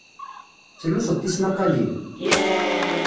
Tettluseḍ tismaqalin?